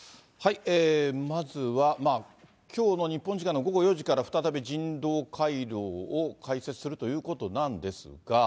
まずは、きょうの日本時間の午後４時から、再び人道回廊を開設するということなんですが。